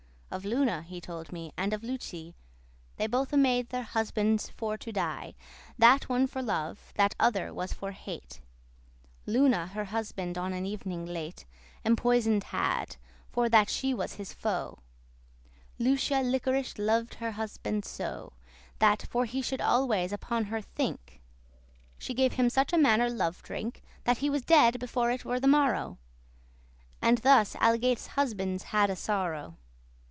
Of Luna told he me, and of Lucie; They bothe made their husbands for to die, That one for love, that other was for hate. Luna her husband on an ev'ning late Empoison'd had, for that she was his foe: Lucia liquorish lov'd her husband so, That, for he should always upon her think, She gave him such a manner* love drink, *sort of That he was dead before it were the morrow: And thus algates* husbands hadde sorrow.